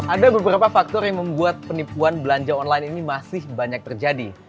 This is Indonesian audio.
ada beberapa faktor yang membuat penipuan belanja online ini masih banyak terjadi